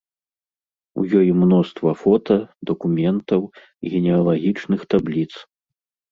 У ёй мноства фота, дакументаў, генеалагічных табліц.